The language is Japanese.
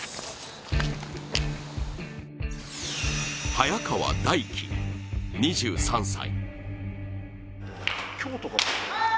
早川太貴２３歳。